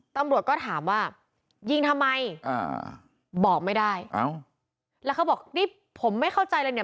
ตำรวจก็ถามว่ายิงทำไมอ่าบอกไม่ได้เอ้าแล้วเขาบอกนี่ผมไม่เข้าใจเลยเนี่ย